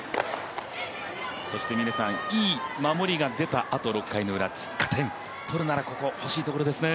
いい守りが出たあと６回のウラ、取るならここ欲しいところですね。